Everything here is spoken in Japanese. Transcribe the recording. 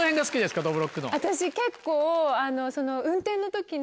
私結構。